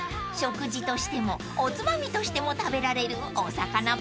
［食事としてもおつまみとしても食べられる］